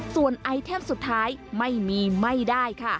ส่วนไอเทมสุดท้ายไม่มีไม่ได้ค่ะ